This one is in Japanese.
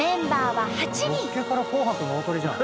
のっけから「紅白」の大トリじゃん。